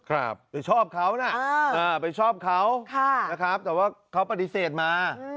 ไปชอบเขานะไปชอบเขาแต่ว่าเขาปฏิเสธมา